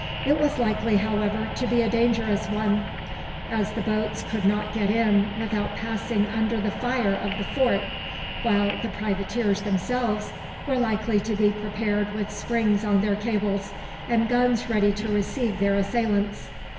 It was likely, however, to be a dangerous one, as the boats could not get in without passing under the fire of the fort, while the privateers themselves were likely to be prepared with springs on their cables, and guns ready to receive their assailants.